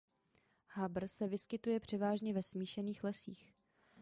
Habr se vyskytuje převážně ve smíšených lesích.